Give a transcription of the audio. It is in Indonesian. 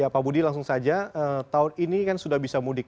pak budi langsung saja tahun ini kan sudah bisa mudik